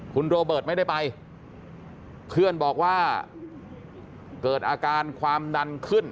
คุณโรเบิร์ตไม่ได้ไปเพื่อนบอกว่าเกิดอาการความดันขึ้น